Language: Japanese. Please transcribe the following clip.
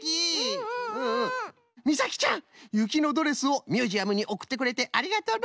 みさきちゃん「雪のドレス」をミュージアムにおくってくれてありがとうの。